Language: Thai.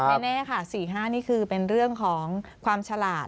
แน่ค่ะ๔๕นี่คือเป็นเรื่องของความฉลาด